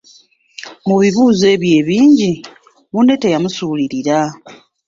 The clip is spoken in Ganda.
Mu bibuuzo ebyo ebingi, munne teyamusuulirira.